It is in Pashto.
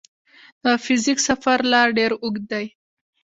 د فزیک سفر لا ډېر اوږ دی.